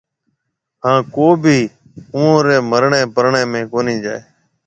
ھان ڪو ڀِي اوئون ري مرڻيَ پرڻيَ ۾ ڪونِي جائيَ